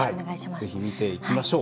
ぜひ見ていきましょう。